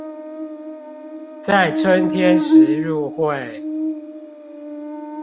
在春天時入會